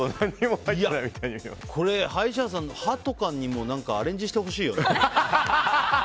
これ、歯医者さんで歯とかにもアレンジしてほしいよね。